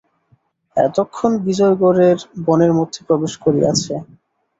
এতক্ষণ বিজয়গড়ের বনের মধ্যে প্রবেশ করিয়াছে।